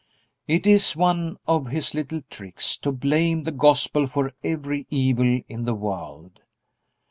It is one of his little tricks to blame the Gospel for every evil in the world.